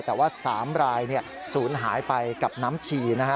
แต่ว่าสามรายสูญหายไปกับน้ำฉี่